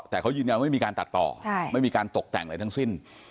แต่เขายืนยันว่าไม่มีการตัดต่อไม่มีการตกแต่งอะไรทั้งสิ้น